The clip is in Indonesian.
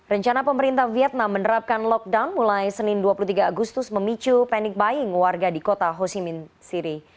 rencana pemerintah vietnam menerapkan lockdown mulai senin dua puluh tiga agustus memicu panic buying warga di kota hosimin siri